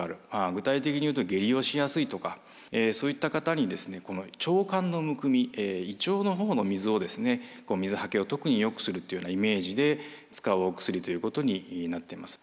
具体的に言うと下痢をしやすいとかそういった方に腸管のむくみ胃腸のほうの水を水はけを特によくするというようなイメージで使うお薬ということになっています。